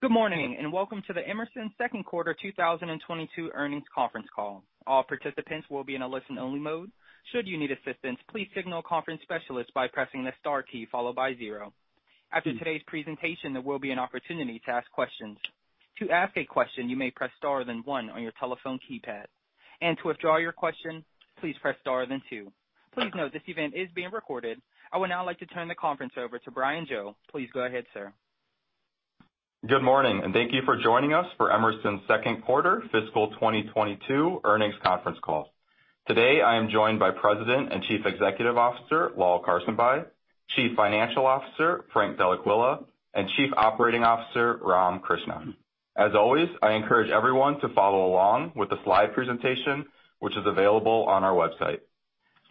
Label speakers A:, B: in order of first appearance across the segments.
A: Good morning, and welcome to the Emerson Second Quarter 2022 Earnings Conference Call. All participants will be in a listen-only mode. Should you need assistance, please signal a conference specialist by pressing the star key followed by zero. After today's presentation, there will be an opportunity to ask questions. To ask a question, you may press star then one on your telephone keypad. To withdraw your question, please press star then two. Please note this event is being recorded. I would now like to turn the conference over to Brian Joe. Please go ahead, sir.
B: Good morning, and thank you for joining us for Emerson's Second Quarter Fiscal 2022 Earnings Conference Call. Today, I am joined by President and Chief Executive Officer, Lal Karsanbhai, Chief Financial Officer, Frank Dellaquila, and Chief Operating Officer, Ram Krishnan. As always, I encourage everyone to follow along with the slide presentation, which is available on our website.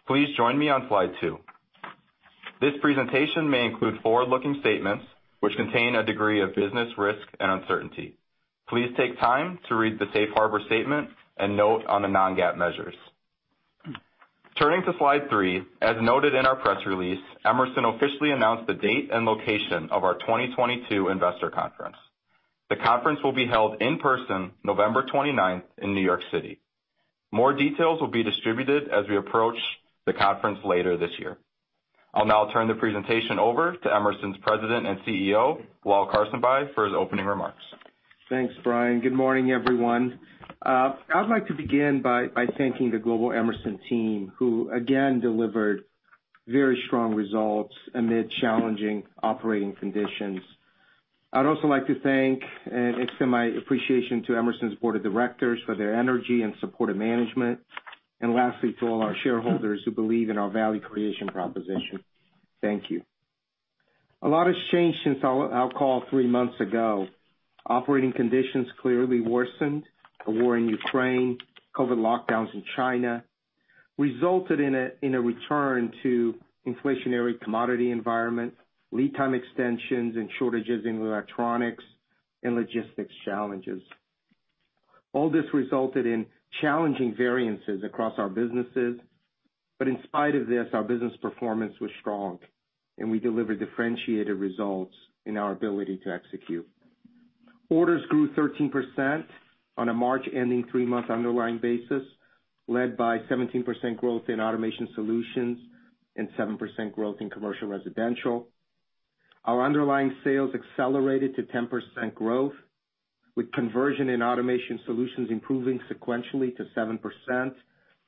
B: Please join me on slide two. This presentation may include forward-looking statements which contain a degree of business risk and uncertainty. Please take time to read the safe harbor statement and note on the non-GAAP measures. Turning to slide three. As noted in our press release, Emerson officially announced the date and location of our 2022 investor conference. The conference will be held in person, November 29th in New York City. More details will be distributed as we approach the conference later this year. I'll now turn the presentation over to Emerson's President and CEO, Lal Karsanbhai, for his opening remarks.
C: Thanks, Brian. Good morning, everyone. I'd like to begin by thanking the global Emerson team, who again delivered very strong results amid challenging operating conditions. I'd also like to thank and extend my appreciation to Emerson's board of directors for their energy and support of management. Lastly, to all our shareholders who believe in our value creation proposition. Thank you. A lot has changed since our call three months ago. Operating conditions clearly worsened. The war in Ukraine, COVID lockdowns in China resulted in a return to inflationary commodity environment, lead time extensions and shortages in electronics and logistics challenges. All this resulted in challenging variances across our businesses. In spite of this, our business performance was strong, and we delivered differentiated results in our ability to execute. Orders grew 13% on a March ending three-month underlying basis, led by 17% growth in Automation Solutions and 7% growth in commercial and residential. Our underlying sales accelerated to 10% growth, with conversion in Automation Solutions improving sequentially to 7%,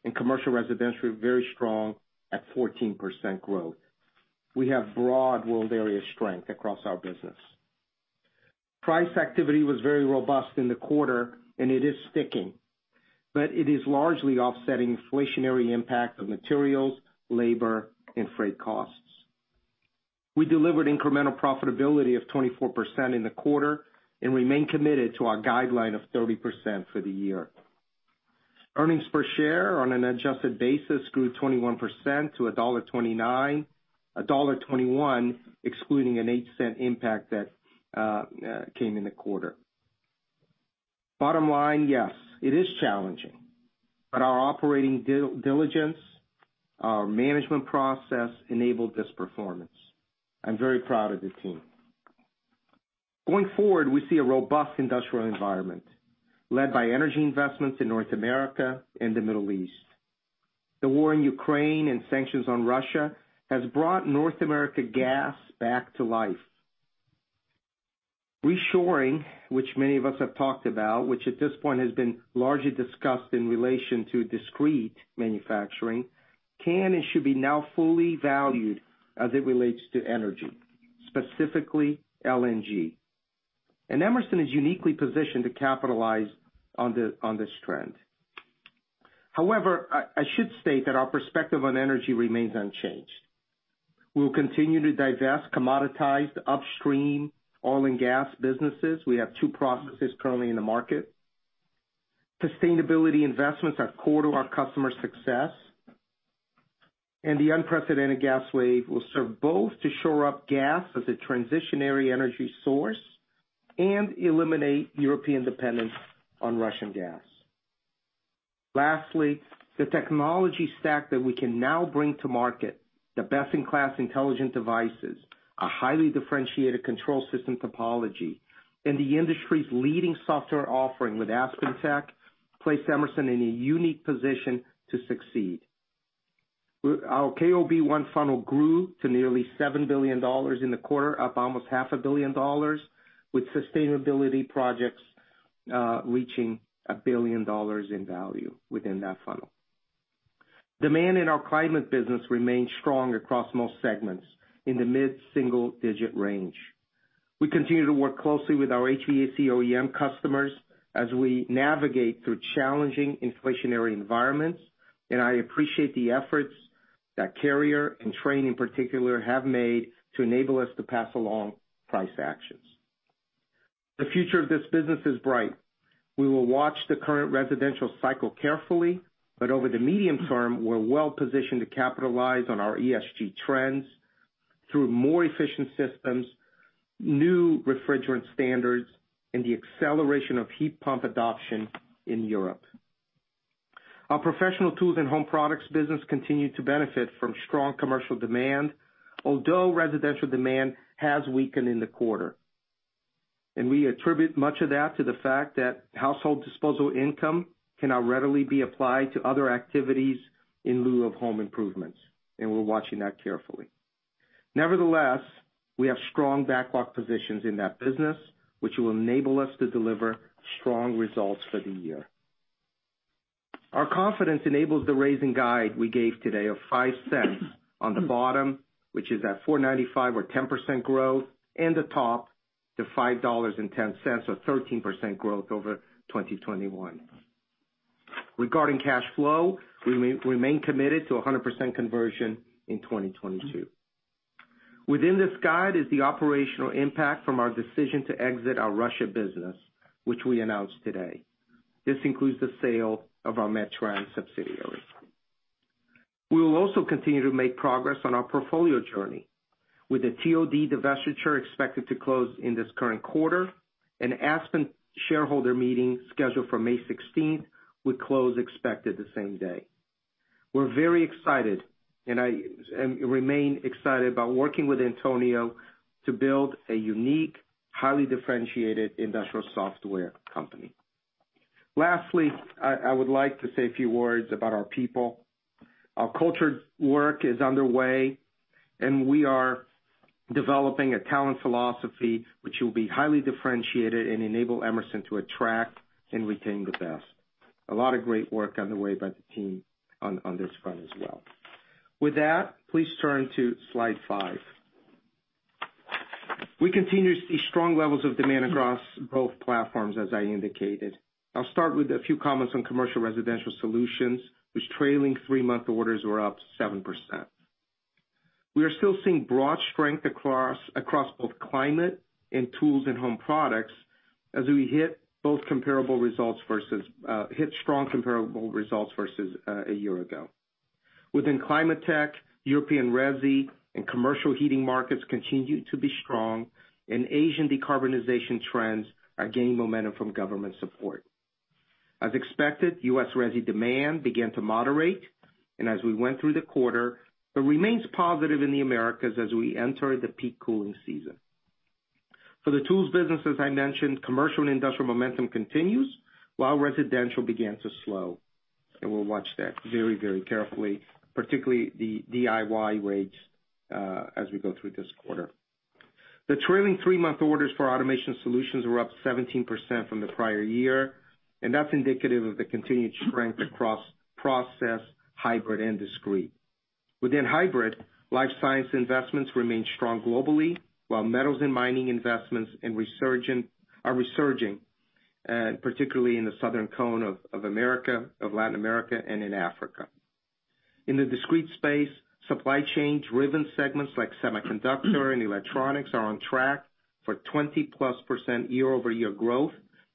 C: and commercial and residential very strong at 14% growth. We have broad world area strength across our business. Price activity was very robust in the quarter, and it is sticking, but it is largely offsetting inflationary impact of materials, labor, and freight costs. We delivered incremental profitability of 24% in the quarter and remain committed to our guideline of 30% for the year. Earnings per share on an adjusted basis grew 21% to $1.29. $1.21 excluding an $0.08 impact that came in the quarter. Bottom line, yes, it is challenging, but our operating diligence, our management process enabled this performance. I'm very proud of the team. Going forward, we see a robust industrial environment led by energy investments in North America and the Middle East. The war in Ukraine and sanctions on Russia has brought North America gas back to life. Reshoring, which many of us have talked about, which at this point has been largely discussed in relation to discrete manufacturing, can and should be now fully valued as it relates to energy, specifically LNG. Emerson is uniquely positioned to capitalize on this trend. However, I should state that our perspective on energy remains unchanged. We will continue to divest commoditized upstream oil and gas businesses. We have two processes currently in the market. Sustainability investments are core to our customers' success, and the unprecedented gas wave will serve both to shore up gas as a transitionary energy source and eliminate European dependence on Russian gas. Lastly, the technology stack that we can now bring to market, the best-in-class intelligent devices, a highly differentiated control system topology, and the industry's leading software offering with AspenTech place Emerson in a unique position to succeed. Our KOB1 funnel grew to nearly $7 billion in the quarter, up almost half a billion dollars, with sustainability projects reaching $1 billion in value within that funnel. Demand in our climate business remains strong across most segments in the mid-single-digit % range. We continue to work closely with our HVAC OEM customers as we navigate through challenging inflationary environments, and I appreciate the efforts that Carrier and Trane in particular have made to enable us to pass along price actions. The future of this business is bright. We will watch the current residential cycle carefully, but over the medium term, we're well positioned to capitalize on our ESG trends through more efficient systems, new refrigerant standards, and the acceleration of heat pump adoption in Europe. Our professional tools and home products business continued to benefit from strong commercial demand, although residential demand has weakened in the quarter. We attribute much of that to the fact that household disposable income cannot readily be applied to other activities in lieu of home improvements, and we're watching that carefully. Nevertheless, we have strong backlog positions in that business, which will enable us to deliver strong results for the year. Our confidence enables the raised guidance we gave today of $0.05 on the bottom, which is at $4.95 or 10% growth, and the top to $5.10, or 13% growth over 2021. Regarding cash flow, we remain committed to 100% conversion in 2022. Within this guide is the operational impact from our decision to exit our Russia business, which we announced today. This includes the sale of our Metran subsidiary. We will also continue to make progress on our portfolio journey with the TOD divestiture expected to close in this current quarter and AspenTech shareholder meeting scheduled for May 16th, with close expected the same day. We're very excited, and I remain excited about working with Antonio to build a unique, highly differentiated industrial software company. Lastly, I would like to say a few words about our people. Our culture work is underway, and we are developing a talent philosophy which will be highly differentiated and enable Emerson to attract and retain the best. A lot of great work underway by the team on this front as well. With that, please turn to slide five. We continue to see strong levels of demand across both platforms, as I indicated. I'll start with a few comments on Commercial & Residential Solutions, whose trailing three-month orders were up 7%. We are still seeing broad strength across both climate and tools and home products as we hit strong comparable results versus a year ago. Within climate tech, European resi and commercial heating markets continue to be strong, and Asian decarbonization trends are gaining momentum from government support. As expected, U.S. resi demand began to moderate, and as we went through the quarter, it remains positive in the Americas as we enter the peak cooling season. For the tools business, as I mentioned, commercial and industrial momentum continues, while residential began to slow. We'll watch that very, very carefully, particularly the DIY rates, as we go through this quarter. The trailing three-month orders for Automation Solutions were up 17% from the prior year, and that's indicative of the continued strength across process, hybrid, and discrete. Within hybrid, life science investments remain strong globally, while metals and mining investments are resurging, particularly in the southern cone of Latin America and in Africa. In the discrete space, supply chain-driven segments like semiconductor and electronics are on track for 20+% year-over-year growth,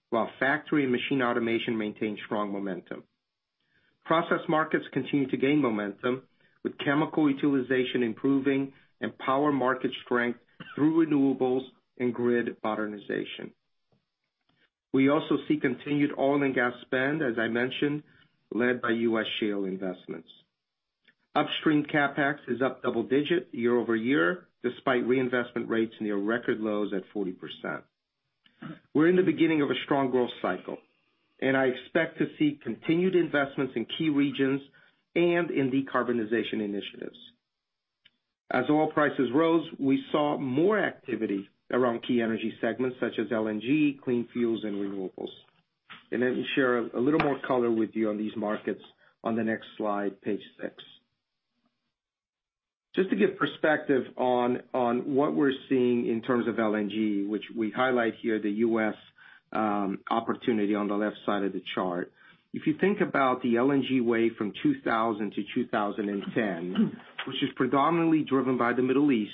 C: while factory and machine automation maintain strong momentum. Process markets continue to gain momentum, with chemical utilization improving and power market strength through renewables and grid modernization. We also see continued oil and gas spend, as I mentioned, led by U.S. shale investments. Upstream CapEx is up double-digit year over year, despite reinvestment rates near record lows at 40%. We're in the beginning of a strong growth cycle, and I expect to see continued investments in key regions and in decarbonization initiatives. As oil prices rose, we saw more activity around key energy segments such as LNG, clean fuels, and renewables. Let me share a little more color with you on these markets on the next slide, page six. Just to give perspective on what we're seeing in terms of LNG, which we highlight here, the U.S. opportunity on the left side of the chart. If you think about the LNG wave from 2000-2010, which is predominantly driven by the Middle East,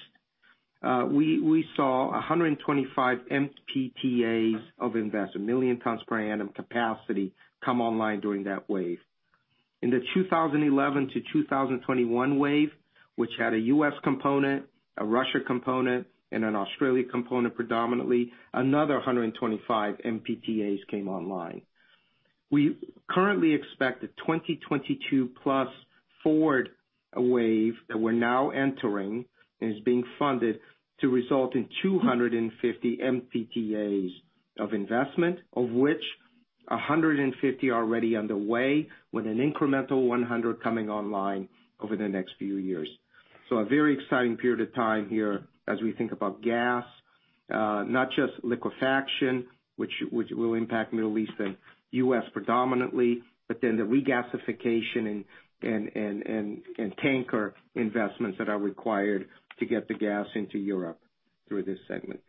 C: we saw 125 MTPAs of investment, million tons per annum capacity, come online during that wave. In the 2011-2021 wave, which had a U.S. component, a Russia component, and an Australia component predominantly, another 125 MTPAs came online. We currently expect the 2022+ forward wave that we're now entering and is being funded to result in 250 MTPAs of investment, of which 150 are already underway with an incremental 100 coming online over the next few years. A very exciting period of time here as we think about gas, not just liquefaction, which will impact Middle East and U.S. predominantly, but then the regasification and tanker investments that are required to get the gas into Europe through this segment.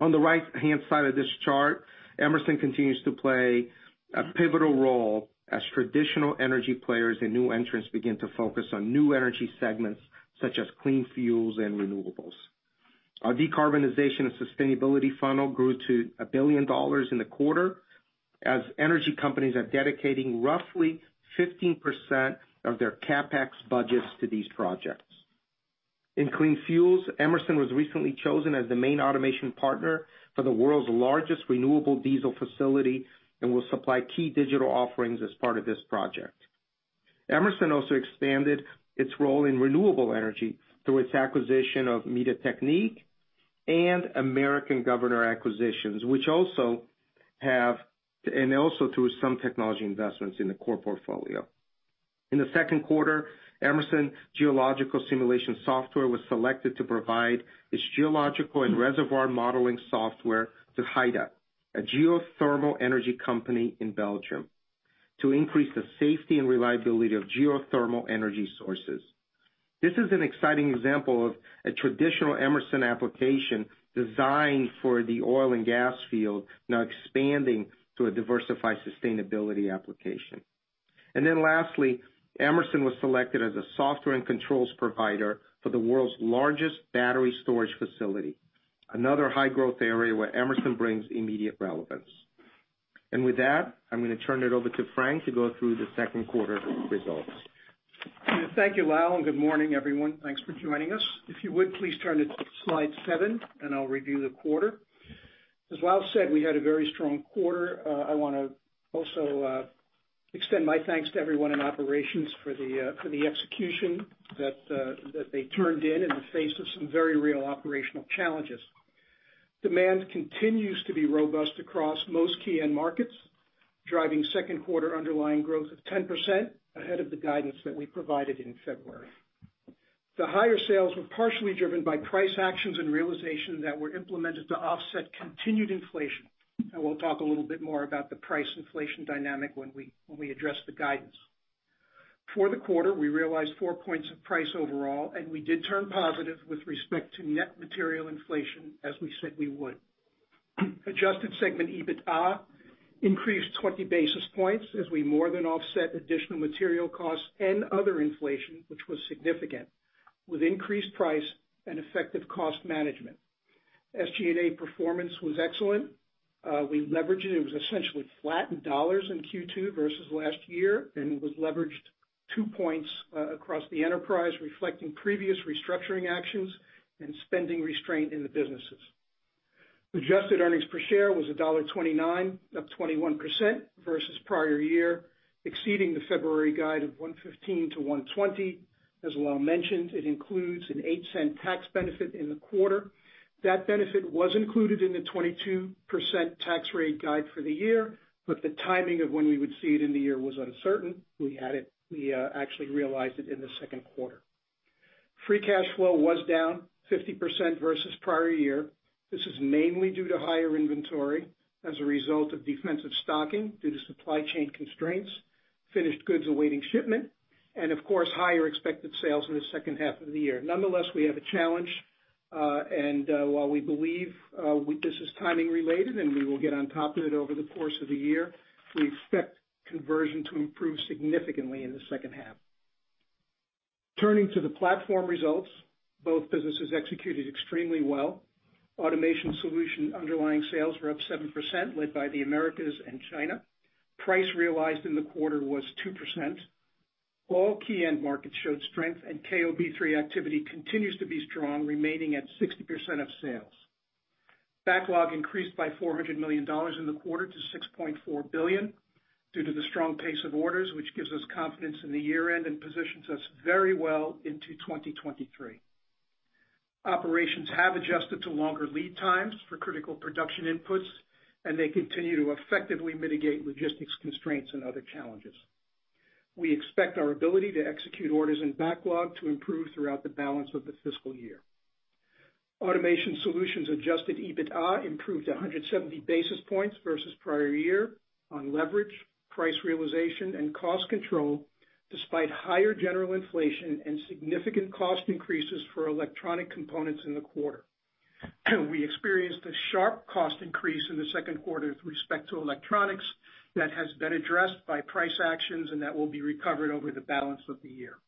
C: On the right-hand side of this chart, Emerson continues to play a pivotal role as traditional energy players and new entrants begin to focus on new energy segments such as clean fuels and renewables. Our decarbonization and sustainability funnel grew to $1 billion in the quarter as energy companies are dedicating roughly 15% of their CapEx budgets to these projects. In clean fuels, Emerson was recently chosen as the main automation partner for the world's largest renewable diesel facility, and will supply key digital offerings as part of this project. Emerson also expanded its role in renewable energy through its acquisition of Mita-Teknik and American Governor Company, and also through some technology investments in the core portfolio. In the second quarter, Emerson E&P Software was selected to provide its geological and reservoir modeling software to HITA, a geothermal energy company in Belgium, to increase the safety and reliability of geothermal energy sources. This is an exciting example of a traditional Emerson application designed for the oil and gas field now expanding to a diversified sustainability application. Lastly, Emerson was selected as a software and controls provider for the world's largest battery storage facility, another high-growth area where Emerson brings immediate relevance. With that, I'm gonna turn it over to Frank to go through the second quarter results.
D: Thank you, Lal, and good morning, everyone. Thanks for joining us. If you would, please turn to slide seven, and I'll review the quarter. As Lal said, we had a very strong quarter. I wanna also extend my thanks to everyone in operations for the execution that they turned in in the face of some very real operational challenges. Demand continues to be robust across most key end markets, driving second quarter underlying growth of 10% ahead of the guidance that we provided in February. The higher sales were partially driven by price actions and realization that were implemented to offset continued inflation. We'll talk a little bit more about the price inflation dynamic when we address the guidance. For the quarter, we realized four points of price overall, and we did turn positive with respect to net material inflation, as we said we would. Adjusted segment EBITDA increased 20 basis points as we more than offset additional material costs and other inflation, which was significant, with increased price and effective cost management. SG&A performance was excellent. We leveraged it. It was essentially flat in dollars in Q2 versus last year, and it was leveraged two points across the enterprise, reflecting previous restructuring actions and spending restraint in the businesses. Adjusted earnings per share was $1.29, up 21% versus prior year, exceeding the February guide of $1.15-$1.20. As Lal mentioned, it includes an $0.08 tax benefit in the quarter. That benefit was included in the 22% tax rate guide for the year, but the timing of when we would see it in the year was uncertain. We had it actually realized it in the second quarter. Free cash flow was down 50% versus prior year. This is mainly due to higher inventory as a result of defensive stocking due to supply chain constraints, finished goods awaiting shipment, and of course, higher expected sales in the second half of the year. Nonetheless, we have a challenge, and, while we believe, this is timing related, and we will get on top of it over the course of the year, we expect conversion to improve significantly in the second half. Turning to the platform results, both businesses executed extremely well. Automation Solutions underlying sales were up 7%, led by the Americas and China. Price realized in the quarter was 2%. All key end markets showed strength, and KOB3 activity continues to be strong, remaining at 60% of sales. Backlog increased by $400 million in the quarter to $6.4 billion due to the strong pace of orders, which gives us confidence in the year-end and positions us very well into 2023. Operations have adjusted to longer lead times for critical production inputs, and they continue to effectively mitigate logistics constraints and other challenges. We expect our ability to execute orders and backlog to improve throughout the balance of the fiscal year. Automation Solutions adjusted EBITDA improved 170 basis points versus prior year on leverage, price realization, and cost control, despite higher general inflation and significant cost increases for electronic components in the quarter. We experienced a sharp cost increase in the second quarter with respect to electronics that has been addressed by price actions, and that will be recovered over the balance of the year.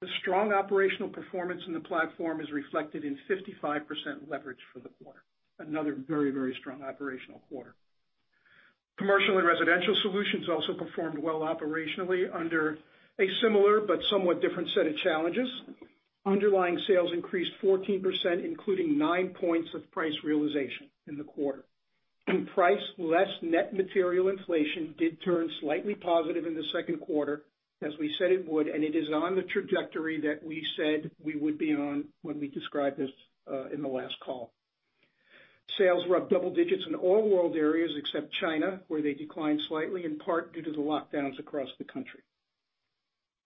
D: The strong operational performance in the platform is reflected in 55% leverage for the quarter. Another very, very strong operational quarter. Commercial & Residential Solutions also performed well operationally under a similar but somewhat different set of challenges. Underlying sales increased 14%, including nine points of price realization in the quarter. Price less net material inflation did turn slightly positive in the second quarter, as we said it would, and it is on the trajectory that we said we would be on when we described this in the last call. Sales were up double digits in all world areas except China, where they declined slightly, in part due to the lockdowns across the country.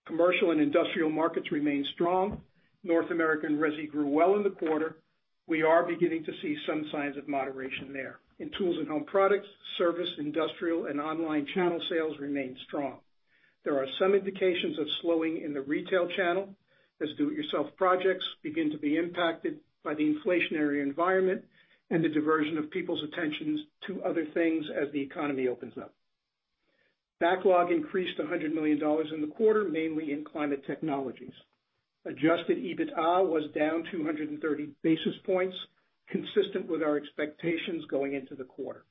D: Commercial and industrial markets remained strong. North American resi grew well in the quarter. We are beginning to see some signs of moderation there. In tools and home products, service, industrial, and online channel sales remained strong. There are some indications of slowing in the retail channel as do-it-yourself projects begin to be impacted by the inflationary environment and the diversion of people's attentions to other things as the economy opens up. Backlog increased $100 million in the quarter, mainly in climate technologies. Adjusted EBITDA was down 230 basis points, consistent with our expectations going into the quarter.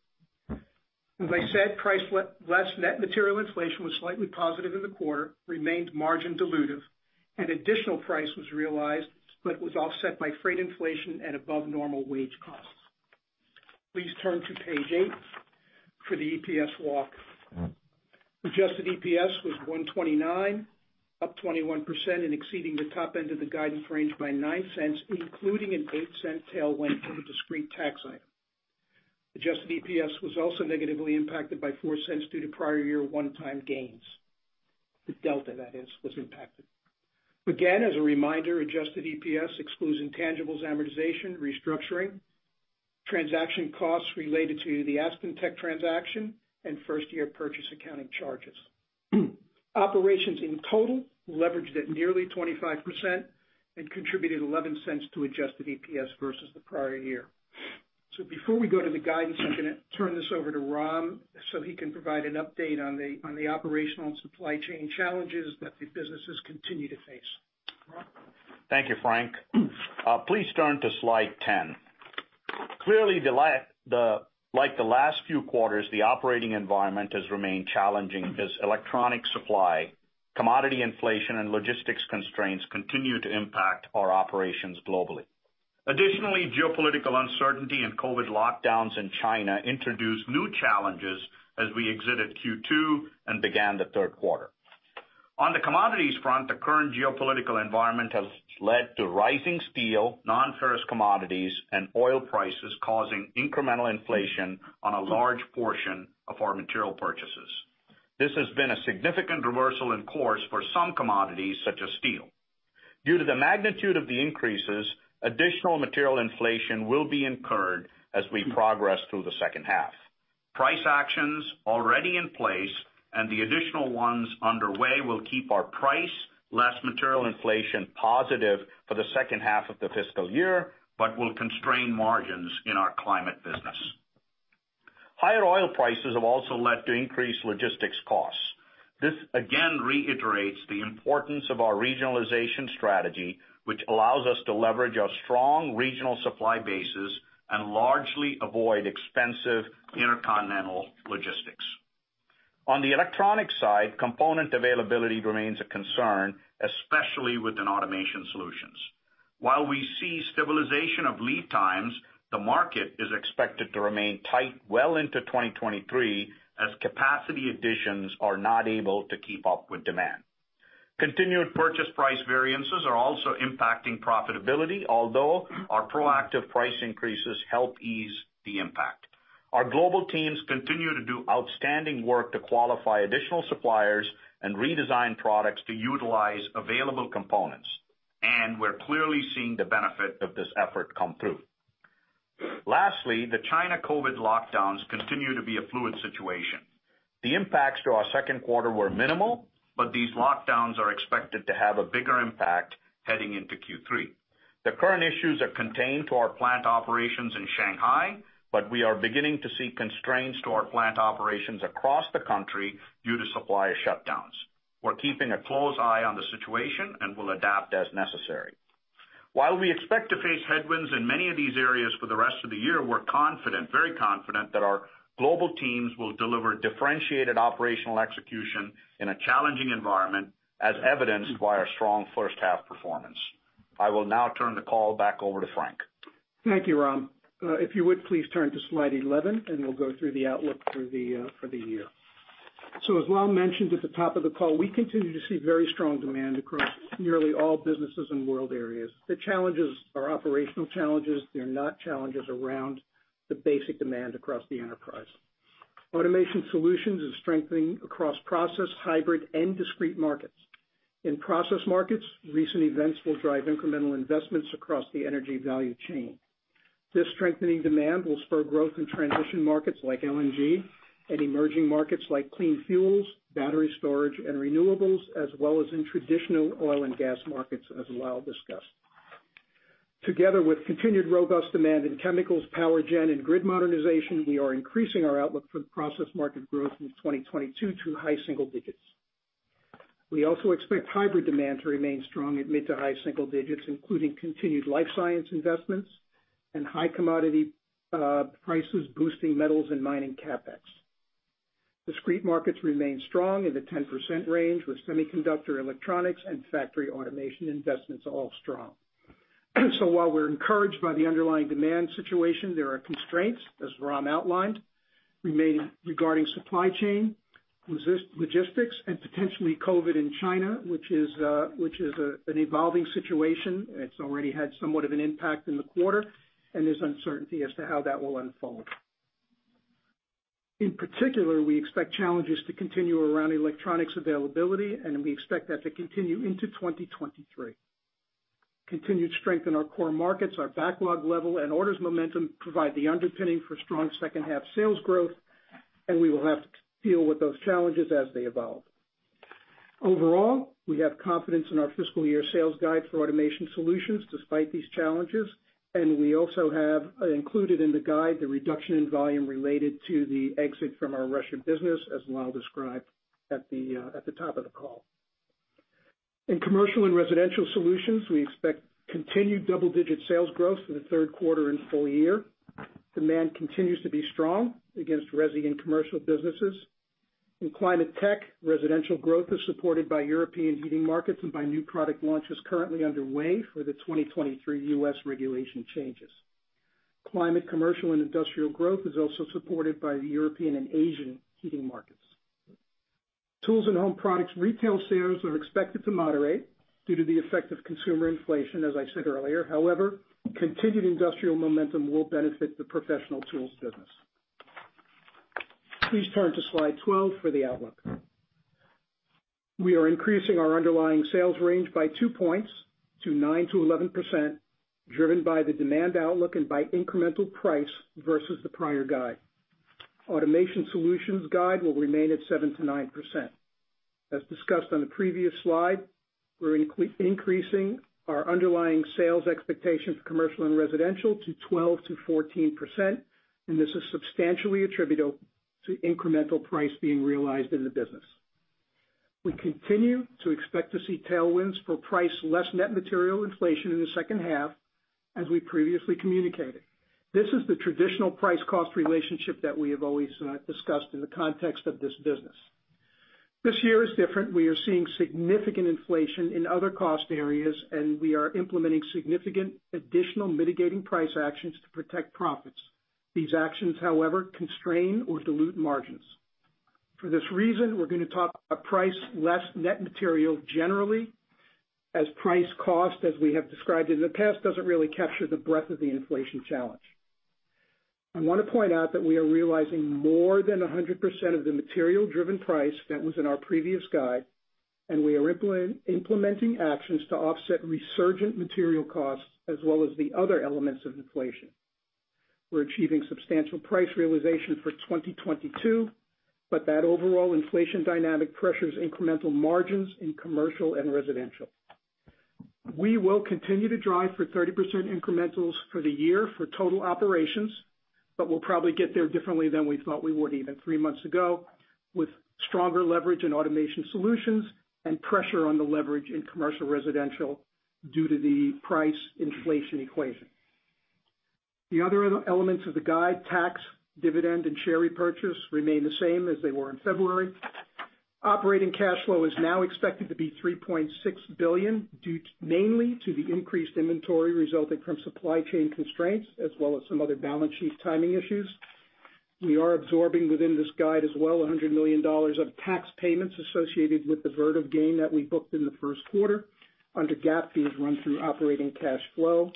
D: As I said, less net material inflation was slightly positive in the quarter, remained margin dilutive, and additional price was realized, but was offset by freight inflation and above normal wage costs. Please turn to page eight for the EPS walk. Adjusted EPS was $1.29, up 21% and exceeding the top end of the guidance range by $0.09, including an $0.08 Tailwind from a discrete tax item. Adjusted EPS was also negatively impacted by $0.04 Due to prior year one-time gains. The delta, that is, was impacted. Again, as a reminder, adjusted EPS excludes intangibles amortization, restructuring, transaction costs related to the AspenTech transaction, and first year purchase accounting charges. Operations in total leveraged at nearly 25% and contributed $0.11 To adjusted EPS versus the prior year. Before we go to the guidance, I'm gonna turn this over to Ram, so he can provide an update on the operational and supply chain challenges that the businesses continue to face. Ram?
E: Thank you, Frank. Please turn to slide 10. Clearly, the last few quarters, the operating environment has remained challenging as electronic supply, commodity inflation, and logistics constraints continue to impact our operations globally. Additionally, geopolitical uncertainty and COVID lockdowns in China introduced new challenges as we exited Q2 and began the third quarter. On the commodities front, the current geopolitical environment has led to rising steel, non-ferrous commodities, and oil prices causing incremental inflation on a large portion of our material purchases. This has been a significant reversal in course for some commodities such as steel. Due to the magnitude of the increases, additional material inflation will be incurred as we progress through the second half. Price actions already in place and the additional ones underway will keep our pricing less materially inflation positive for the second half of the fiscal year, but will constrain margins in our climate business. Higher oil prices have also led to increased logistics costs. This again reiterates the importance of our regionalization strategy, which allows us to leverage our strong regional supply bases and largely avoid expensive intercontinental logistics. On the electronic side, component availability remains a concern, especially within Automation Solutions. While we see stabilization of lead times, the market is expected to remain tight well into 2023 as capacity additions are not able to keep up with demand. Continued purchase price variances are also impacting profitability, although our proactive price increases help ease the impact. Our global teams continue to do outstanding work to qualify additional suppliers and redesign products to utilize available components, and we're clearly seeing the benefit of this effort come through. Lastly, the China COVID lockdowns continue to be a fluid situation. The impacts to our second quarter were minimal, but these lockdowns are expected to have a bigger impact heading into Q3. The current issues are contained to our plant operations in Shanghai, but we are beginning to see constraints to our plant operations across the country due to supplier shutdowns. We're keeping a close eye on the situation and will adapt as necessary. While we expect to face headwinds in many of these areas for the rest of the year, we're confident, very confident, that our global teams will deliver differentiated operational execution in a challenging environment, as evidenced by our strong first half performance. I will now turn the call back over to Frank.
D: Thank you, Ram. If you would, please turn to slide 11, and we'll go through the outlook for the year. As Ram mentioned at the top of the call, we continue to see very strong demand across nearly all businesses and world areas. The challenges are operational challenges. They're not challenges around the basic demand across the enterprise. Automation Solutions is strengthening across process, hybrid, and discrete markets. In process markets, recent events will drive incremental investments across the energy value chain. This strengthening demand will spur growth in transition markets like LNG and emerging markets like clean fuels, battery storage, and renewables, as well as in traditional oil and gas markets, as Lal discussed. Together with continued robust demand in chemicals, power gen, and grid modernization, we are increasing our outlook for the process market growth in 2022 to high single digits. We also expect hybrid demand to remain strong at mid- to high-single digits, including continued life science investments and high commodity prices boosting metals and mining CapEx. Discrete markets remain strong in the 10% range, with semiconductor electronics and factory automation investments all strong. While we're encouraged by the underlying demand situation, there are constraints, as Ram outlined, remaining regarding supply chain, logistics, and potentially COVID in China, which is an evolving situation. It's already had somewhat of an impact in the quarter, and there's uncertainty as to how that will unfold. In particular, we expect challenges to continue around electronics availability, and we expect that to continue into 2023. Continued strength in our core markets, our backlog level, and orders momentum provide the underpinning for strong second half sales growth, and we will have to deal with those challenges as they evolve. Overall, we have confidence in our fiscal year sales guide for Automation Solutions despite these challenges, and we also have included in the guide the reduction in volume related to the exit from our Russian business, as Lal described at the top of the call. In Commercial and Residential Solutions, we expect continued double-digit sales growth for the third quarter and full year. Demand continues to be strong against resi and commercial businesses. In climate tech, residential growth is supported by European heating markets and by new product launches currently underway for the 2023 U.S. regulation changes. Climate, commercial, and industrial growth is also supported by the European and Asian heating markets. Tools and home products retail sales are expected to moderate due to the effect of consumer inflation, as I said earlier. However, continued industrial momentum will benefit the professional tools business. Please turn to slide 12 for the outlook. We are increasing our underlying sales range by two points to 9%-11%, driven by the demand outlook and by incremental price versus the prior guide. Automation Solutions guide will remain at 7%-9%. As discussed on the previous slide, we're increasing our underlying sales expectations for commercial and residential to 12%-14%, and this is substantially attributable to incremental price being realized in the business. We continue to expect to see tailwinds for price less net material inflation in the second half, as we previously communicated. This is the traditional price cost relationship that we have always discussed in the context of this business. This year is different. We are seeing significant inflation in other cost areas, and we are implementing significant additional mitigating price actions to protect profits. These actions, however, constrain or dilute margins. For this reason, we're gonna talk about price less net material generally, as price cost, as we have described in the past, doesn't really capture the breadth of the inflation challenge. I want to point out that we are realizing more than 100% of the material-driven price that was in our previous guide, and we are implementing actions to offset resurgent material costs as well as the other elements of inflation. We're achieving substantial price realization for 2022, but that overall inflation dynamic pressures incremental margins in commercial and residential. We will continue to drive for 30% incrementals for the year for total operations, but we'll probably get there differently than we thought we would even three months ago, with stronger leverage in Automation Solutions and pressure on the leverage in Commercial & Residential Solutions due to the price inflation equation. The other elements of the guide, tax, dividend, and share repurchase remain the same as they were in February. Operating cash flow is now expected to be $3.6 billion, due to mainly to the increased inventory resulting from supply chain constraints as well as some other balance sheet timing issues. We are absorbing within this guide as well $100 million of tax payments associated with the Vertiv gain that we booked in the first quarter. Under GAAP, these run through operating cash flow,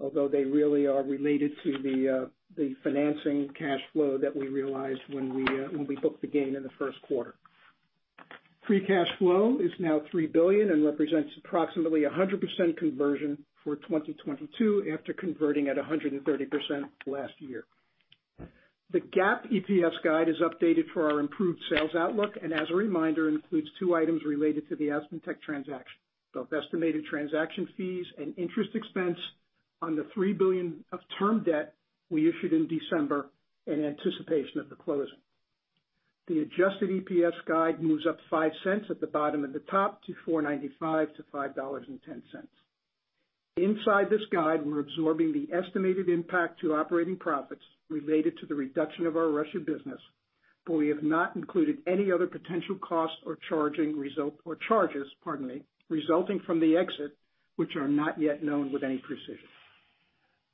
D: although they really are related to the financing cash flow that we realized when we booked the gain in the first quarter. Free cash flow is now $3 billion and represents approximately 100% conversion for 2022 after converting at 130% last year. The GAAP EPS guide is updated for our improved sales outlook, and as a reminder, includes two items related to the AspenTech transaction, both estimated transaction fees and interest expense on the $3 billion of term debt we issued in December in anticipation of the closing. The adjusted EPS guide moves up $0.05 at the bottom and the top to $4.95-$5.10. Inside this guidance, we're absorbing the estimated impact to operating profits related to the reduction of our Russia business, but we have not included any other potential costs or charges, pardon me, resulting from the exit, which are not yet known with any precision.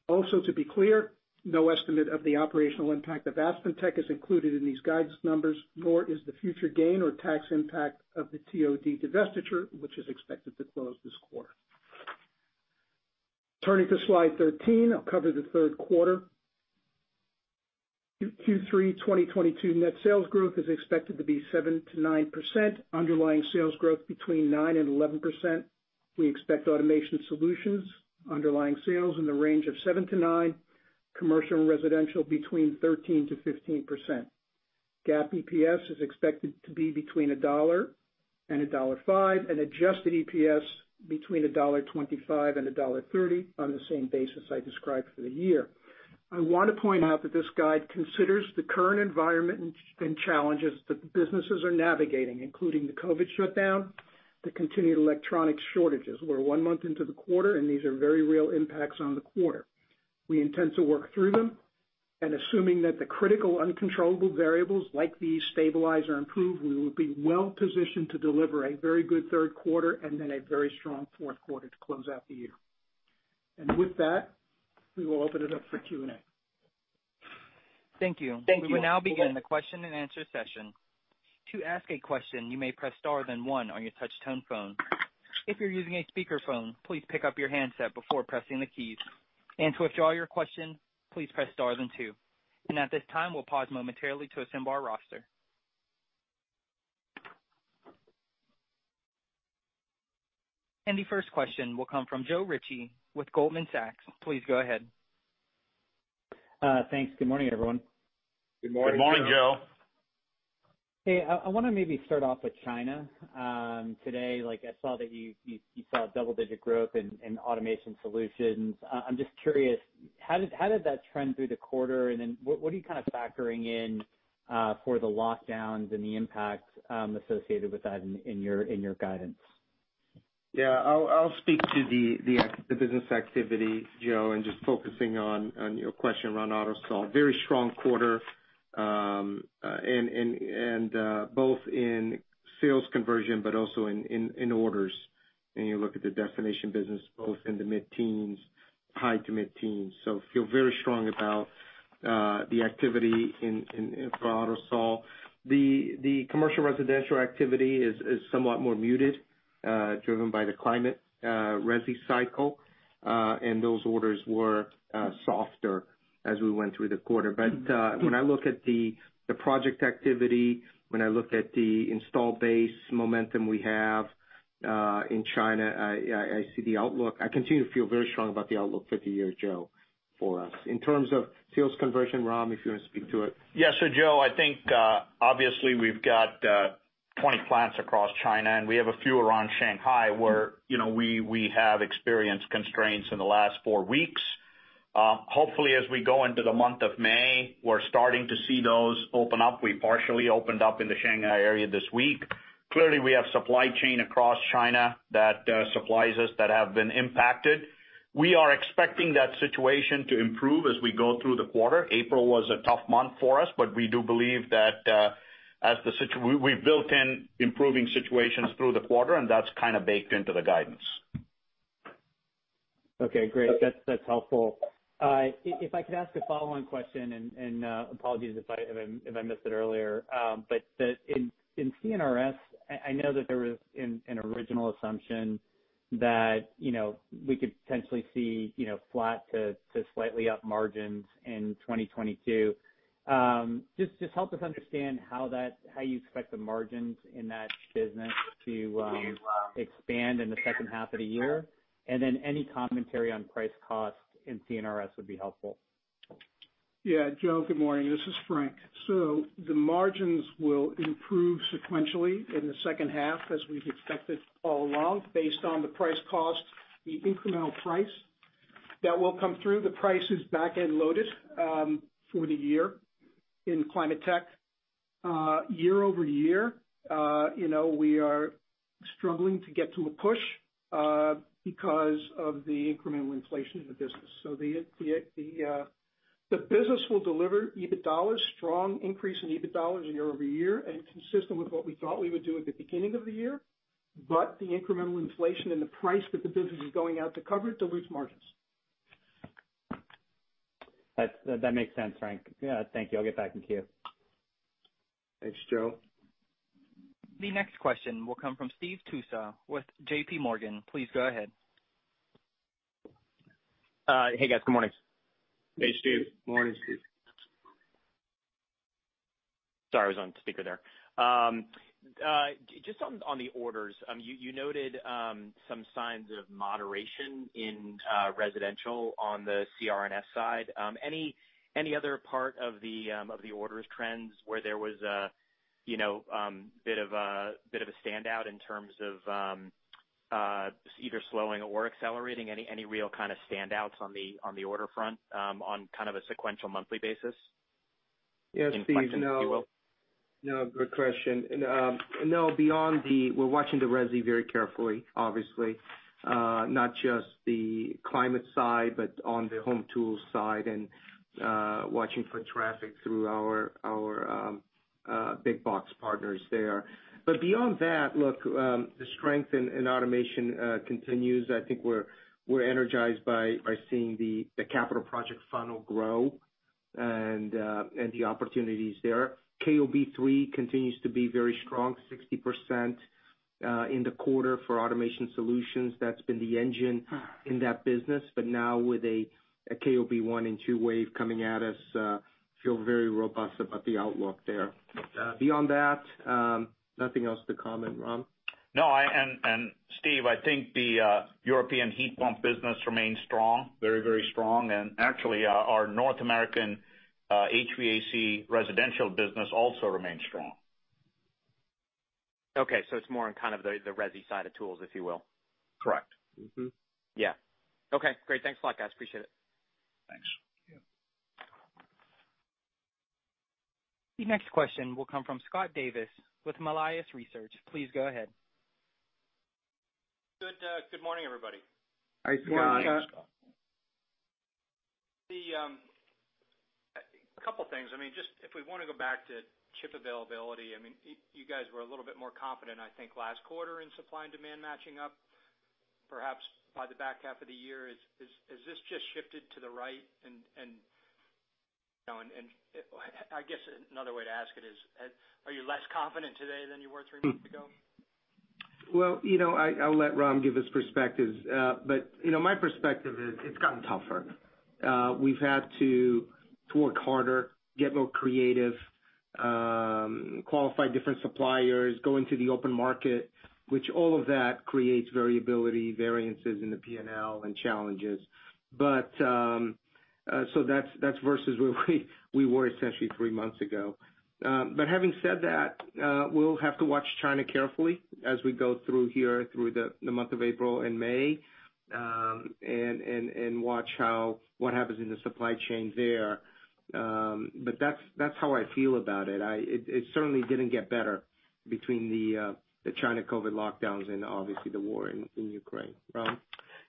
D: Also, to be clear, no estimate of the operational impact of AspenTech is included in these guidance numbers, nor is the future gain or tax impact of the Therm-O-Disc divestiture, which is expected to close this quarter. Turning to slide 13, I'll cover the third quarter. Q3 2022 net sales growth is expected to be 7%-9%, underlying sales growth between 9% and 11%. We expect Automation Solutions underlying sales in the range of 7%-9%, Commercial and Residential between 13%-15%. GAAP EPS is expected to be between $1 and $1.05, and adjusted EPS between $1.25 and $1.30 on the same basis I described for the year. I want to point out that this guide considers the current environment and challenges that the businesses are navigating, including the COVID shutdown, the continued electronic shortages. We're one month into the quarter, and these are very real impacts on the quarter. We intend to work through them, and assuming that the critical uncontrollable variables like these stabilize or improve, we will be well positioned to deliver a very good third quarter and then a very strong fourth quarter to close out the year. With that, we will open it up for Q&A.
A: Thank you.
D: Thank you.
A: We will now begin the question-and-answer session. To ask a question, you may press star then one on your touch tone phone. If you're using a speakerphone, please pick up your handset before pressing the keys. To withdraw your question, please press star then two. At this time, we'll pause momentarily to assemble our roster. The first question will come from Joe Ritchie with Goldman Sachs. Please go ahead.
F: Thanks. Good morning, everyone.
D: Good morning, Joe.
A: Good morning, Joe.
F: Hey, I wanna maybe start off with China today. Like, I saw that you saw double-digit growth in Automation Solutions. I'm just curious, how did that trend through the quarter, and then what are you kind of factoring in for the lockdowns and the impacts associated with that in your guidance?
C: Yeah. I'll speak to the business activity, Joe, and just focusing on your question around AutoSol. Very strong quarter and both in sales conversion but also in orders when you look at the discrete business both in the mid-teens, high to mid-teens. Feel very strong about the activity in for AutoSol. The Commercial & Residential activity is somewhat more muted, driven by the climate, resi cycle. Those orders were softer as we went through the quarter. When I look at the project activity, when I look at the installed base momentum we have in China, I see the outlook. I continue to feel very strong about the outlook for the year, Joe, for us. In terms of sales conversion, Ram, if you want to speak to it.
E: Yes. Joe, I think, obviously we've got 20 plants across China, and we have a few around Shanghai where, you know, we have experienced constraints in the last four weeks. Hopefully as we go into the month of May, we're starting to see those open up. We partially opened up in the Shanghai area this week. Clearly, we have supply chain across China that supplies us that have been impacted. We are expecting that situation to improve as we go through the quarter. April was a tough month for us, but we do believe that we've built in improving situations through the quarter, and that's kind of baked into the guidance.
F: Okay, great. That's helpful. If I could ask a follow-on question, apologies if I missed it earlier. In C&RS, I know that there was an original assumption that, you know, we could potentially see, you know, flat to slightly up margins in 2022. Just help us understand how you expect the margins in that business to expand in the second half of the year. Any commentary on price cost in C&RS would be helpful.
D: Yeah, Joe, good morning. This is Frank Dellaquila. The margins will improve sequentially in the second half as we've expected all along based on the price cost, the incremental price that will come through. The price is back-end loaded for the year in climate tech. Year-over-year, you know, we are struggling to get to a plus because of the incremental inflation in the business. The business will deliver EBIT dollars, strong increase in EBIT dollars year-over-year and consistent with what we thought we would do at the beginning of the year, but the incremental inflation and the price that the business is going out to cover it dilutes margins.
F: That makes sense, Frank. Yeah, thank you. I'll get back in queue.
C: Thanks, Joe.
A: The next question will come from Steve Tusa with J.P. Morgan. Please go ahead.
G: Hey, guys. Good morning.
C: Hey, Steve. Morning, Steve.
G: Sorry, I was on speaker there. Just on the orders, you noted some signs of moderation in residential on the C&RS side. Any other part of the orders trends where there was a you know bit of a standout in terms of either slowing or accelerating? Any real kind of standouts on the order front on kind of a sequential monthly basis?
C: Yeah, Steve. No.
G: In question, if you will.
C: No. Good question. No, beyond that, we're watching the resi very carefully, obviously. Not just the climate side, but on the home tools side and watching for traffic through our big box partners there. Beyond that, look, the strength in automation continues. I think we're energized by seeing the capital project funnel grow and the opportunities there. KOB3 continues to be very strong, 60% in the quarter for Automation Solutions. That's been the engine in that business. Now with a KOB1 and KOB2 wave coming at us, feel very robust about the outlook there. Beyond that, nothing else to comment. Ram?
E: No. Steve, I think the European heat pump business remains strong, very, very strong. Actually, our North American HVAC residential business also remains strong.
G: Okay. It's more on kind of the resi side of tools, if you will.
E: Correct.
C: Mm-hmm.
G: Yeah. Okay, great. Thanks a lot, guys. Appreciate it.
E: Thanks.
C: Yeah.
A: The next question will come from Scott Davis with Melius Research. Please go ahead.
H: Good morning, everybody.
C: Hi, Scott.
G: Good morning, Scott.
H: A couple things. I mean, just if we wanna go back to chip availability, I mean, you guys were a little bit more confident, I think, last quarter in supply and demand matching up, perhaps by the back half of the year. Has this just shifted to the right, and you know, I guess another way to ask it is, are you less confident today than you were three months ago?
C: Well, you know, I'll let Ram give his perspectives, but you know, my perspective is it's gotten tougher. We've had to work harder, get more creative, qualify different suppliers, go into the open market, which all of that creates variability, variances in the P&L and challenges. That's versus where we were essentially three months ago. Having said that, we'll have to watch China carefully as we go through the month of April and May, and watch what happens in the supply chain there. That's how I feel about it. It certainly didn't get better between the China COVID lockdowns and obviously the war in Ukraine.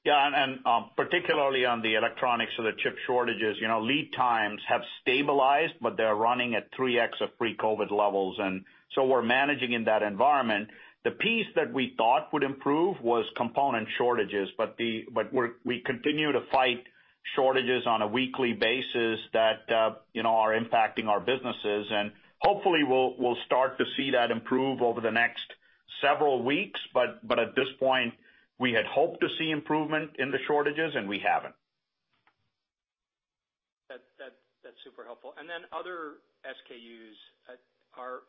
C: Ram?
E: Particularly on the electronics or the chip shortages, you know, lead times have stabilized, but they're running at 3x of pre-COVID levels. We're managing in that environment. The piece that we thought would improve was component shortages, but we continue to fight shortages on a weekly basis that are impacting our businesses. Hopefully we'll start to see that improve over the next several weeks. At this point, we had hoped to see improvement in the shortages, and we haven't.
H: That's super helpful. Other SKUs are.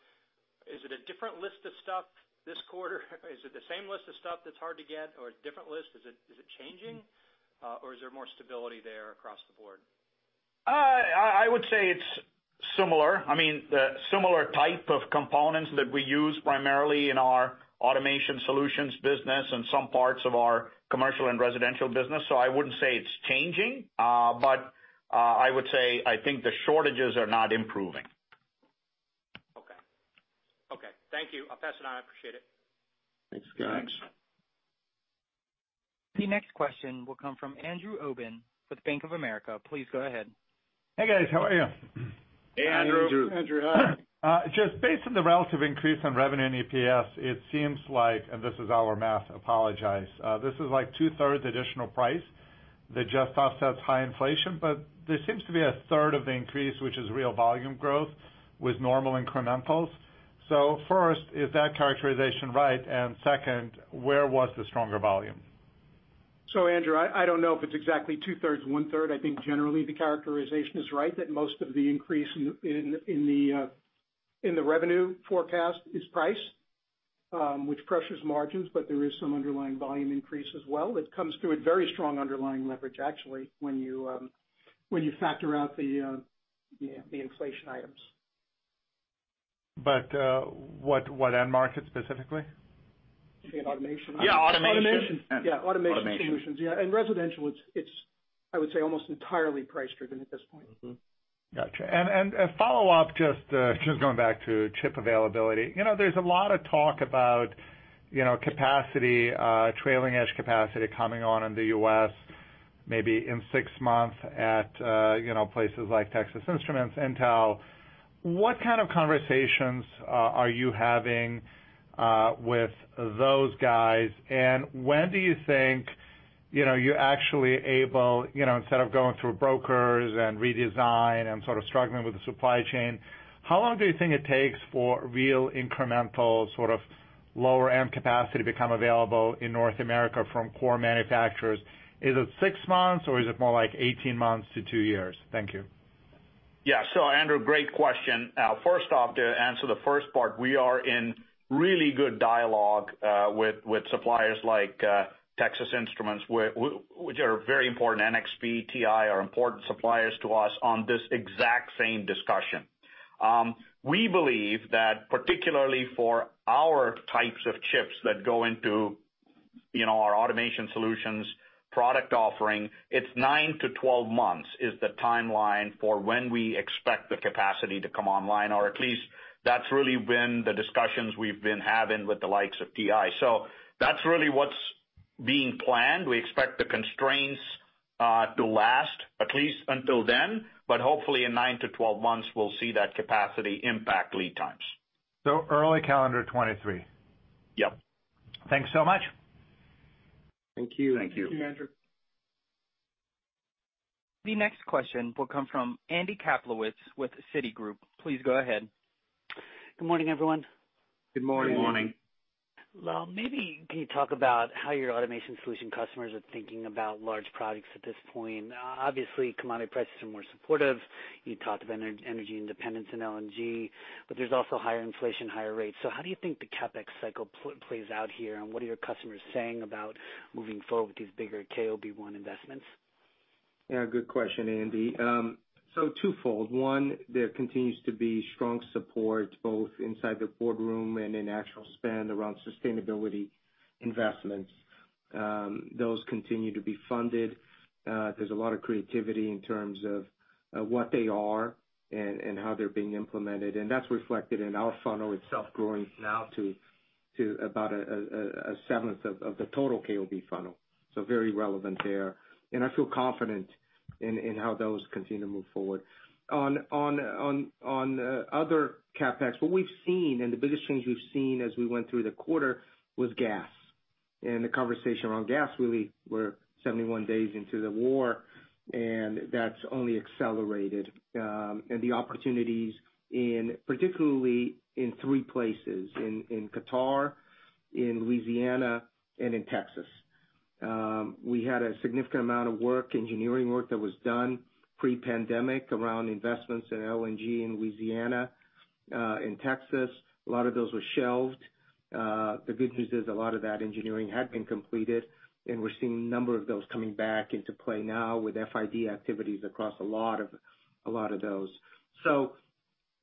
H: Is it a different list of stuff this quarter? Is it the same list of stuff that's hard to get or a different list? Is it changing, or is there more stability there across the board?
E: I would say it's similar. I mean, the similar type of components that we use primarily in our Automation Solutions business and some parts of our Commercial and Residential business. I wouldn't say it's changing, but I would say I think the shortages are not improving.
H: Okay. Thank you. I'll pass it on. I appreciate it.
E: Thanks, guys.
A: The next question will come from Andrew Obin with Bank of America. Please go ahead.
I: Hey, guys. How are you?
E: Hey, Andrew.
C: Andrew, hi.
I: Just based on the relative increase in revenue and EPS, it seems like, and this is our math, this is like two-thirds additional price that just offsets high inflation. There seems to be a third of the increase, which is real volume growth with normal incrementals. First, is that characterization right? And second, where was the stronger volume?
C: Andrew, I don't know if it's exactly 2/3, 1/3. I think generally the characterization is right that most of the increase in the revenue forecast is price, which pressures margins, but there is some underlying volume increase as well that comes through at very strong underlying leverage actually when you factor out the inflation items.
I: What end markets specifically?
C: You say in automation?
E: Yeah, automation.
C: Automation. Yeah, Automation Solutions. Yeah, in residential, it's almost entirely price-driven at this point.
I: Gotcha. A follow-up, just going back to chip availability. You know, there's a lot of talk about, you know, capacity, trailing edge capacity coming on in the U.S. maybe in six months at, you know, places like Texas Instruments, Intel. What kind of conversations are you having with those guys? When do you think, you know, you're actually able, you know, instead of going through brokers and redesign and sort of struggling with the supply chain, how long do you think it takes for real incremental sort of lower end capacity to become available in North America from core manufacturers? Is it six months or is it more like 18 months to two years? Thank you.
E: Yeah. Andrew Obin, great question. First off, to answer the first part, we are in really good dialogue with suppliers like Texas Instruments, which are very important. NXP, TI are important suppliers to us on this exact same discussion. We believe that particularly for our types of chips that go into you know our Automation Solutions product offering, it's nine to 12 months is the timeline for when we expect the capacity to come online, or at least that's really been the discussions we've been having with the likes of TI. That's really what's being planned. We expect the constraints to last at least until then, but hopefully in nine to 12 months, we'll see that capacity impact lead times.
I: Early calendar 2023?
E: Yep.
I: Thanks so much.
E: Thank you.
C: Thank you.
H: Thank you, Andrew.
A: The next question will come from Andy Kaplowitz with Citigroup. Please go ahead.
J: Good morning, everyone.
E: Good morning.
C: Good morning.
J: Well, maybe can you talk about how your Automation Solutions customers are thinking about large projects at this point? Obviously, commodity prices are more supportive. You talked of energy independence and LNG, but there's also higher inflation, higher rates. How do you think the CapEx cycle plays out here, and what are your customers saying about moving forward with these bigger KOB1 investments?
C: Yeah, good question, Andy. Twofold. One, there continues to be strong support both inside the boardroom and in actual spend around sustainability investments. Those continue to be funded. There's a lot of creativity in terms of what they are and how they're being implemented, and that's reflected in our funnel itself growing now to about a seventh of the total KOB funnel. Very relevant there. I feel confident in how those continue to move forward. On other CapEx, what we've seen and the biggest change we've seen as we went through the quarter was gas and the conversation around gas, really, we're 71 days into the war, and that's only accelerated, and the opportunities in, particularly in three places, in Qatar, in Louisiana, and in Texas. We had a significant amount of work, engineering work that was done pre-pandemic around investments in LNG in Louisiana, in Texas. A lot of those were shelved. The good news is a lot of that engineering had been completed, and we're seeing a number of those coming back into play now with FID activities across a lot of those.